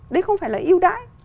đấy không phải là ưu đãi